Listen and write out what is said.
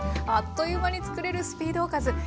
あっという間に作れるスピードおかず。